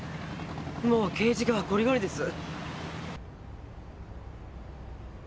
もう刑事課はこりごりです